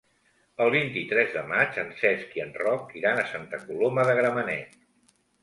El vint-i-tres de maig en Cesc i en Roc iran a Santa Coloma de Gramenet.